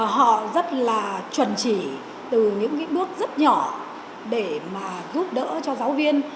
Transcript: họ rất là chuẩn chỉ từ những bước rất nhỏ để mà giúp đỡ cho giáo viên